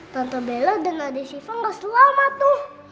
tante bella dan adik siva nggak selamat tuh